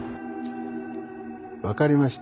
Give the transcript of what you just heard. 分かりました。